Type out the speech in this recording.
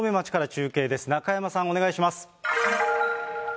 中山さん、お願いします。